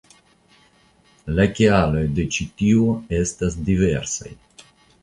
La kialoj de ĉi tio estas diversaj.